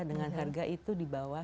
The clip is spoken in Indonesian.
dengan harga itu di bawah